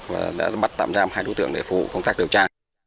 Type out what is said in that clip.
và đã bắt tạm giam hai đối tượng để phụ công tác điều tra